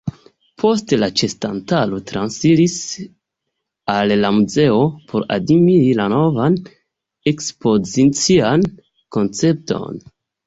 Poste la ĉeestantaro transiris al la muzeo por admiri la novan ekspozician koncepton.